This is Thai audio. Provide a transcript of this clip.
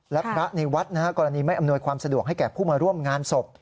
และพระในวัดกรณีไม่อำนวยความสะดวกให้แก่ผู้มาร่วมงานศพ